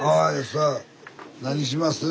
何します？